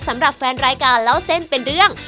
สำหรับแฟนรายการเล่าเส้นเป็นเรื่อง